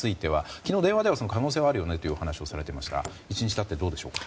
昨日、電話ではその可能性はあるとお話しされていましたが１日経ってどうでしょうか。